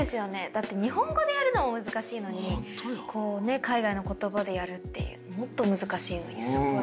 だって日本語でやるのも難しいのに海外の言葉でやるっていうもっと難しいのにすごい。